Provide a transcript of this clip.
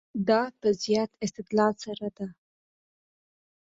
دا په زیات استدلال سره ده.